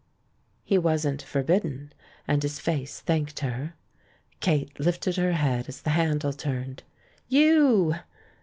He wasn't forbidden, and his face thanked her. Kate lifted her head as the handle turned. "You!"